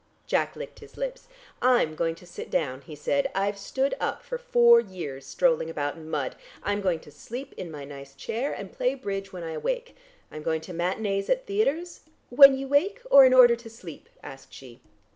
Jack licked his lips. "I'm going to sit down," he said. "I've stood up for four years strolling about in mud. I'm going to sleep in my nice chair, and play bridge when I awake. I'm going to matinées at theatres " "When you wake, or in order to sleep?" asked she.